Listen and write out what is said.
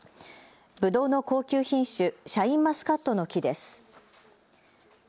ぶどうの高級品種、シャインマスカットの木です。